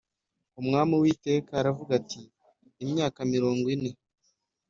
Umwami Uwiteka aravuga ati Imyaka mirongo ine